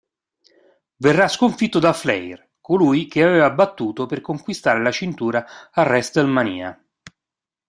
Verrà sconfitto da Flair, colui che aveva battuto per conquistare la cintura a WrestleMania.